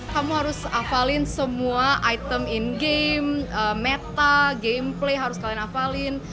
kamu harus hafalin semua item in game meta game play harus kalian hafalin